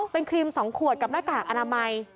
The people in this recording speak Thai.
เป็นครีม๒ขวดกับหน้ากากอนามัย